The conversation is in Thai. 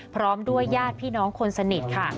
พร้อมด้วยญาติพี่น้องคนสนิทค่ะ